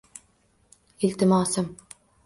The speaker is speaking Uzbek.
Iltimosim —